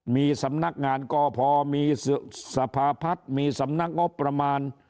มีสำนักงานกพมีสภาพัฒน์มีสำนักงบประมาณ